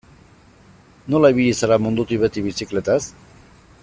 Nola ibili zara mundutik beti bizikletaz?